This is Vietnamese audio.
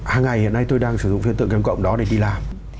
hàng ngày hiện nay tôi đang sử dụng phiên tượng cam cộng đó để đi làm